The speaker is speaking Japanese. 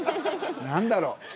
何だろう。